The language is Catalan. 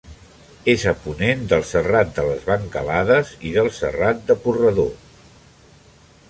És a ponent del Serrat de les Bancalades i del Serrat de Purredó.